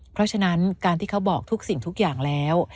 เพราะฉะนั้นการที่เขาบอกทุกสิ่งทุกอย่างแล้ว